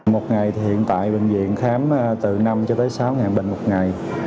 một ngày thì hiện tại bệnh viện khám từ năm cho tới sáu ngàn bệnh một ngày